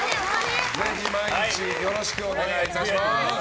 ぜひ毎日よろしくお願いいたします。